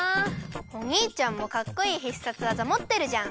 おにいちゃんもかっこいい必殺技もってるじゃん。